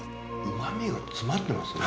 旨みが詰まってますね。